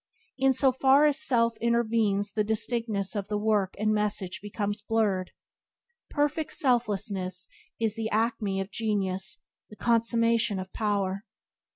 In so far as self intervenes the distinctness of the work and message becomes blurred. Perfect selflessness is the acme of genius, the consummation of power.